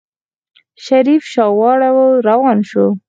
شريف شا واړوله روان شو.